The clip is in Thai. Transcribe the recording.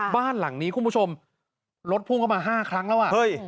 บ้านหลังนี้คุณผู้ชมรถพุ่งเข้ามา๕ครั้งแล้วอ่ะเฮ้ย